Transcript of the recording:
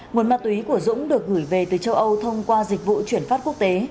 nguồn ma túy của dũng được gửi về từ châu âu thông qua dịch vụ chuyển phát quốc tế